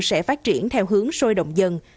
sẽ phát triển theo hướng sôi động dần